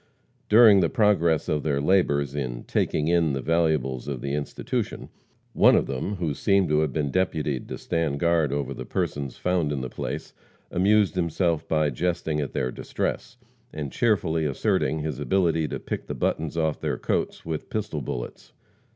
During the progress of their labors in "taking in" the valuables of the institution, one of them, who seemed to have been deputied to stand guard over the persons found in the place, amused himself by jesting at their distress, and cheerfully asserting his ability to pick the buttons off their coats with pistol bullets.